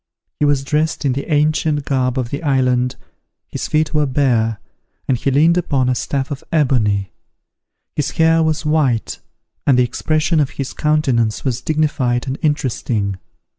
He was dressed in the ancient garb of the island, his feet were bare, and he leaned upon a staff of ebony; his hair was white, and the expression of his countenance was dignified and interesting.